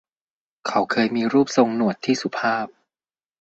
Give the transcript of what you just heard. เขาเคยมีรูปทรงหนวดที่สุภาพ